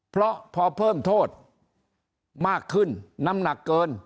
เพราะพอเพิ่มโทษมากขึ้นน้ำหนักเกิน